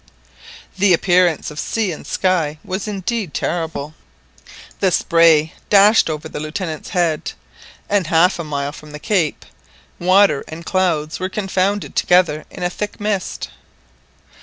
The appearance of sea and sky was indeed terrible. The spray dashed over the Lieutenant's head, and half a mile from the cape water and clouds were confounded together in a thick mist.